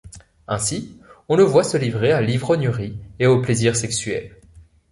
Ainsi, on le voit se livrer à l’ivrognerie et aux plaisirs sexuels.